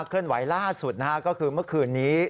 เคลื่อนไหวล่าสุดก็คือเมื่อคืนนี้